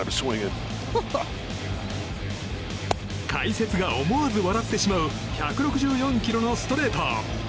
解説が思わず笑ってしまう１６４キロのストレート。